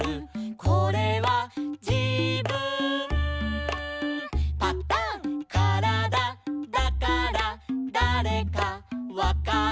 「これはじぶんパタン」「からだだからだれかわかる」